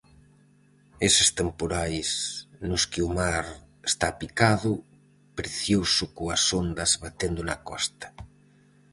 Eses temporais nos que o mar está picado, precioso coas ondas batendo na Costa.